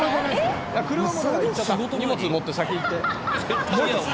荷物持って先行って。